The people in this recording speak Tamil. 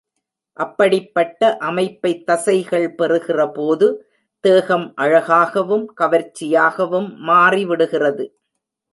அப்படிப் பட்ட அமைப்பைத் தசைகள் பெறுகிறபோது, தேகம், அழகாகவும், கவர்ச்சியாகவும் மாறிவிடுகிறது.